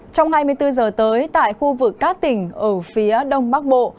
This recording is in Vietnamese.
trong hai mươi bốn h tới tại khu vực cát tỉnh ở phía đông bắc bộ